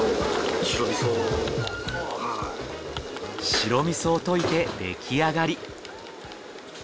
白味噌を溶いて出来上がり。